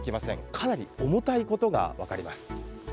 かなり重たいことが分かります。